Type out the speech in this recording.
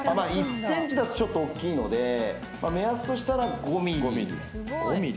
１ｃｍだとちょっと大きいので目安としたら５ｍｍ。